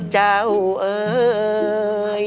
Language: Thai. เจ้าเอ๋ย